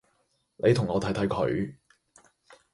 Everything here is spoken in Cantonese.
你同我睇睇佢